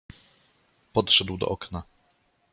Podszedł do okna.